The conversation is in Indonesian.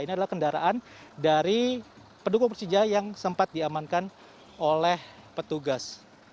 ini adalah kendaraan dari pendukung persija yang sempat diamankan oleh petugas